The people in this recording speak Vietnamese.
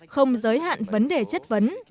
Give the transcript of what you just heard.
không giới hạn vấn đề chất vấn